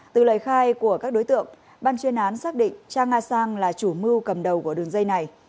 từ lời khai của các đối tượng ban chuyên án xác định cha nga sang là chủ mưu cầm đầu của đường dây này